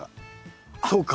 そうか。